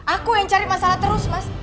aku yang cari masalah terus mas